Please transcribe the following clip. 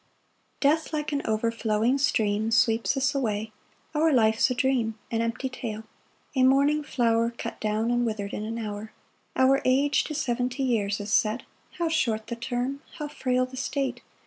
] PAUSE. 5 Death like an overflowing stream Sweeps us away; our life's a dream; An empty tale; a morning flower Cut down and wither'd in an hour. 6 [Our age to seventy years is set; How short the term! how frail the state!